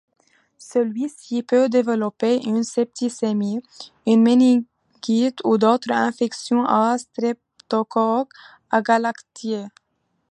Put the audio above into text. Celui-ci peut developper une septicémie, une méningite ou d'autres infections à streptococque agalactiae.